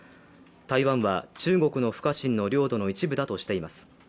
台湾は、中国の不可侵の領土の一部だとしています。